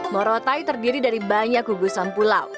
morotai terdiri dari banyak gugusan pulau